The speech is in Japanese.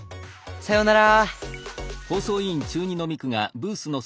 さようなら。